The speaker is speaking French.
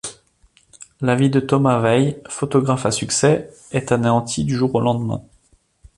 La vie de Thomas Veil, photographe à succès, est anéantie du jour au lendemain.